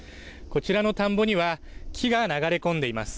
こちらの田んぼには木が流れ込んでいます。